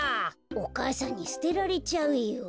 お母さんにすてられちゃうよ。